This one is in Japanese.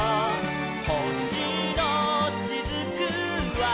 「ほしのしずくは」